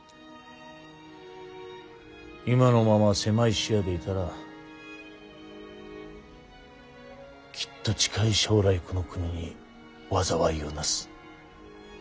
今のまま狭い視野でいたらきっと近い将来この国に災いをなす。